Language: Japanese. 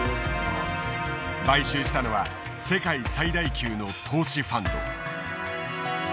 買収したのは世界最大級の投資ファンド。